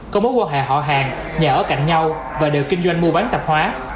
có mối quan hệ họ hàng nhà ở cạnh nhau và đều kinh doanh mua bán tạp hóa